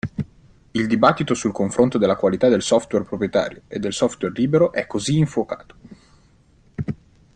Il dibattito sul confronto della qualità del software proprietario e del software libero è così infuocato.